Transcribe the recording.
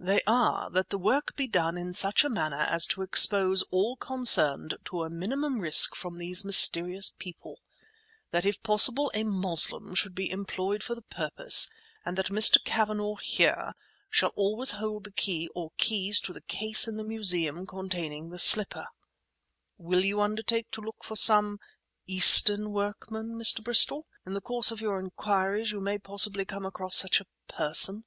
"They are, that the work be done in such a manner as to expose all concerned to a minimum of risk from these mysterious people; that if possible a Moslem be employed for the purpose; and that Mr. Cavanagh, here, shall always hold the key or keys to the case in the museum containing the slipper. Will you undertake to look for some—Eastern workmen, Mr. Bristol? In the course of your inquiries you may possibly come across such a person."